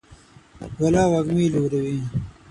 بلا وږمې لوروي